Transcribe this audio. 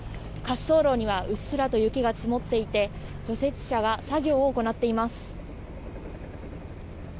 滑走路にはうっすらと雪が積もっていて除雪車が作業を行っています。